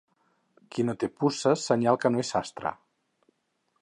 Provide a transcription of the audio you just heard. Qui no té puces, senyal que no és sastre.